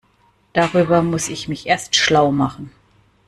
Darüber muss ich mich erst schlau machen.